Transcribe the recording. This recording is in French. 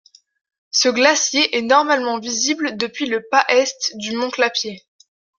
Ce glacier est normalement visible depuis le Pas Est du mont Clapier.